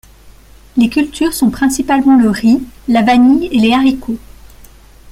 Les cultures sont principalement le riz, la vanille et les haricots.